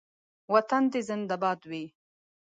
وطن دې زنده باد وي